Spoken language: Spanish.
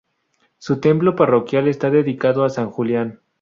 Su templo parroquial está dedicado a San Julián.